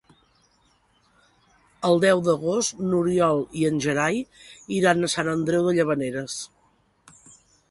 El deu d'agost n'Oriol i en Gerai iran a Sant Andreu de Llavaneres.